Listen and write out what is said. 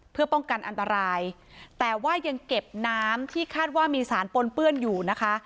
เพื่อป้องกันอันตรายแต่ว่ายังเก็บน้ำที่คาดว่ามีสารปนเปื้อนอยู่นะคะ